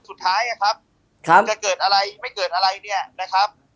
สุดท้ายนะครับจะเกิดอะไรไม่เกิดอะไรเนี่ยนะครับ